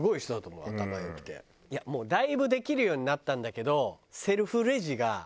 もうだいぶできるようになったんだけど。